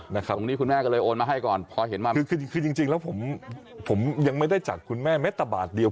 อ๋อตรงนี้คุณแม่ก็เลยโอนมาให้ก่อนคือจริงแล้วผมยังไม่ได้จากคุณแม่แม่ตะบาทเดียว